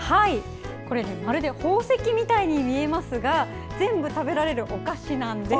これ、まるで宝石みたいに見えますが全部食べられるお菓子なんです。